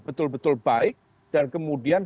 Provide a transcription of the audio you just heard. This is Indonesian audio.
betul betul baik dan kemudian